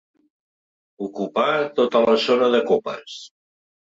Ocupar tota la zona de copes.